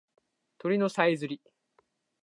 鳥のさえずり